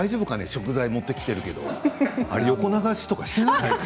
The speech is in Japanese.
食材を持ってきているけど横流しとかしていない？